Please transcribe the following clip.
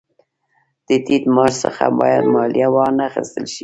د ټیټ معاش څخه باید مالیه وانخیستل شي